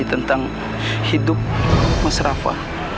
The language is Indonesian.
tentang hidup mas raffa